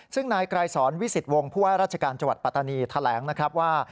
ซึ่งนายกลายสอนวิสิทธิ์วงภัยราชการจัวร์ปัตตานีแถลงนะครับว่า